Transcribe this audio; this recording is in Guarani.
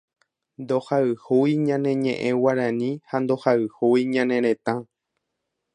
Ndohayhúi ñane ñeʼẽ Guarani ha ndohayhúi ñane retã.